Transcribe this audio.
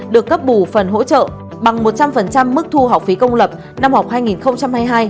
được cấp bù phần hỗ trợ bằng một trăm linh mức thu học phí công lập năm học hai nghìn hai mươi hai hai nghìn hai mươi ba